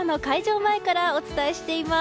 前からお伝えしています。